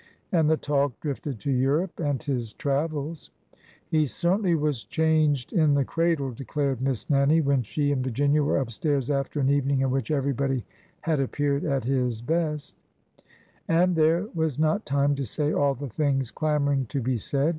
" And the talk drifted to Europe and his travels. '' He certainly was changed in the cradle !" declared Miss Nannie when she and Virginia were up stairs after an evening in which everybody had appeared at his best, and there was not time to say all the things clamoring to be said.